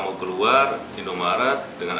mau keluar di nomorat dengan